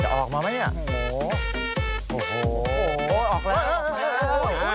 จะออกมาไหมเนี่ย